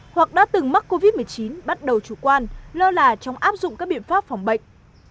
hoặc đã từng mắc covid một mươi chín bắt đầu chủ quan lơ là trong áp dụng các biện pháp phòng bệnh